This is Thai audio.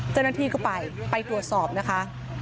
เจ้าหน้าที่ก็ไปไปตรวจสอบนะคะ